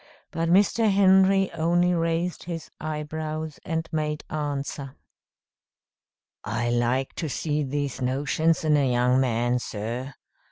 But Mr. Henry only raised his eyebrows and made answer: "I like to see these notions in a young man, sir.